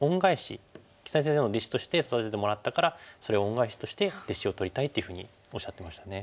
木谷先生の弟子として育ててもらったからそれを恩返しとして弟子を取りたいっていうふうにおっしゃってましたね。